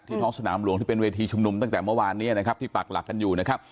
ท้องสนามหลวงที่เป็นเวทีชุมนุมตั้งแต่เมื่อวานเนี่ยนะครับที่ปักหลักกันอยู่นะครับ